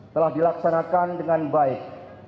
telah dilaksanakan dengan baik